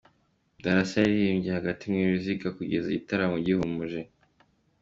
Darassa yaririmbiye hagati mu ruziga kugeza igitaramo gihumuje.